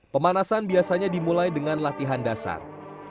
pemanasan biasanya dimulai dengan latihan dasar